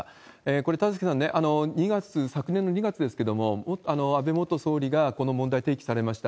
これ、田崎さん、２月、昨年の２月ですけれども、安倍元総理がこの問題提起されました。